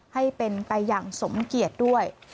ให้เป็นไปอย่างสมเกียจด้วย